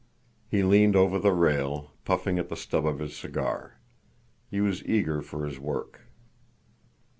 He leaned over the rail, puffing at the stub of his cigar. He was eager for his work.